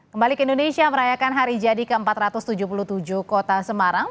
kembali ke indonesia merayakan hari jadi ke empat ratus tujuh puluh tujuh kota semarang